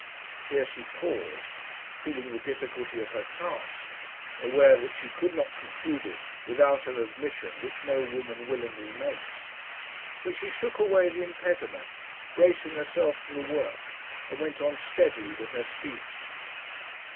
Here she paused, feeling the difficulty of her task aware that she could not conclude it without an admission which no woman willingly makes. But she shook away the impediment, bracing herself to the work, and went on steadily with her speech.